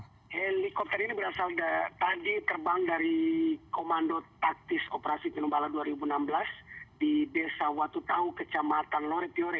helikopter ini berasal dari komando taktis operasi penumpang dua ribu enam belas di desa watu tau kecamatan loretiore